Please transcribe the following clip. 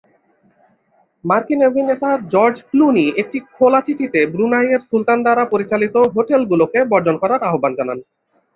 মার্কিন অভিনেতা George Clooney একটি খোলা চিঠিতে ব্রুনাইয়ের সুলতান দ্বারা পরিচালিত হোটেল গুলোকে বর্জন করার আহ্বান জানান।